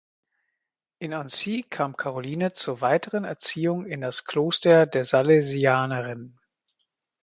In Annecy kam Caroline zur weiteren Erziehung in das Kloster der Salesianerinnen.